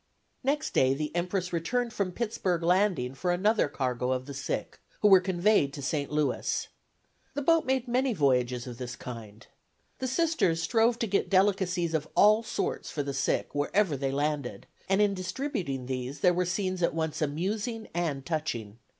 Next day the "Empress" returned to Pittsburg Landing for another cargo of the sick, who were conveyed to St. Louis. The boat made many voyages of this kind. The Sisters strove to get delicacies of all sorts for the sick wherever they landed, and in distributing these there were scenes at once amusing and touching.